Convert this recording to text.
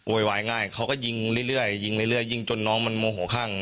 โวยวายง่ายเขาก็ยิงเรื่อยยิงจนน้องมันโมโหข้าง